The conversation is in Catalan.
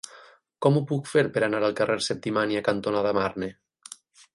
Com ho puc fer per anar al carrer Septimània cantonada Marne?